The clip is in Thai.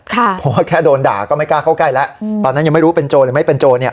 เพราะว่าแค่โดนด่าก็ไม่กล้าเข้าใกล้แล้วตอนนั้นยังไม่รู้เป็นโจรหรือไม่เป็นโจรเนี่ย